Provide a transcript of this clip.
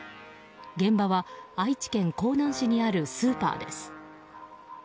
現場は愛知県江南市にあるスーパーです。